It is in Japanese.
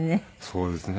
そうですね。